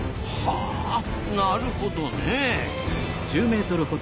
はあなるほどねえ。